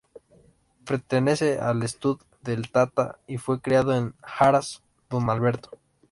Pertenece al stud El Tata y fue criado en el Haras Don Alberto.